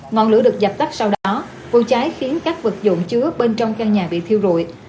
ngọn lửa được dập tắt sau đó vụ cháy khiến các vật dụng chứa bên trong căn nhà bị thiêu rụi